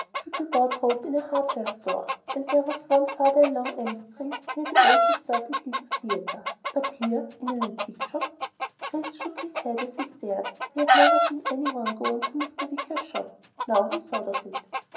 People bought rope in a hardware store there was one farther along M Street near the old deserted Lido Theatre. But here, in an antique shop? Chris shook his head as he stared. He had never seen anyone go into Mr. Wicker's shop, now he thought of it.